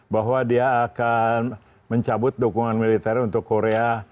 bahwa dia akan mencabut dukungan militer untuk korea